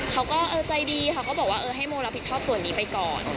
เขาก็จายดีก็บอกว่าให้โมรับผิดชอบส่วนนี้ไปก่อนค่ะ